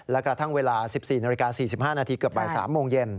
และกระทั่งเวลา๑๔น๔๕นเกือบบ่าย๓โมงเย็น